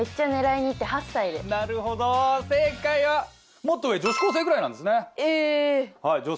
あなるほど正解はもっと上女子高生ぐらいなんですねえ